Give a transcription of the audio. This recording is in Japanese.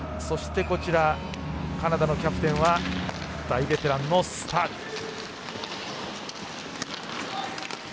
そして、カナダのキャプテンは大ベテランのスタール。